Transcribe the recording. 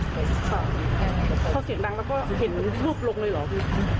เขาเสียงดังแล้วก็เห็นรูปลงไว้ลอง